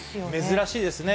珍しいですね。